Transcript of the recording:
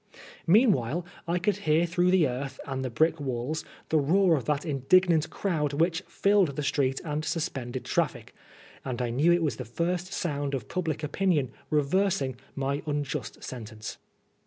Meanwhile I could hear through the earth and the brick walls the roar of that indignant crowd which filled the street and suspended trafQc, and I knew it was the first sound of public opinion reversing my unjust sentence.